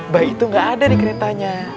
bayi itu gak ada di keretanya